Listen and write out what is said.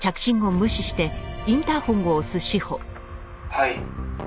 「はい」